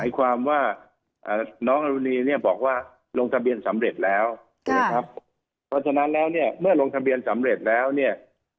ความว่าน้องอรุณีเนี่ยบอกว่าลงทะเบียนสำเร็จแล้วใช่ไหมครับเพราะฉะนั้นแล้วเนี่ยเมื่อลงทะเบียนสำเร็จแล้วเนี่ย